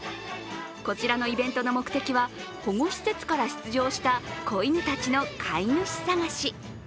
こちらのイベントの目的は保護施設から出場した子犬たちの飼い主探し。